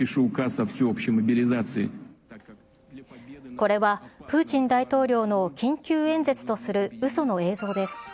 これはプーチン大統領の緊急演説とするうその映像です。